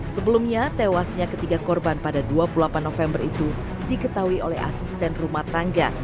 sebelumnya tewasnya ketiga korban pada dua puluh delapan november itu diketahui oleh asisten rumah tangga